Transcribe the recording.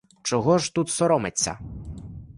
Чого ж тут соромиться?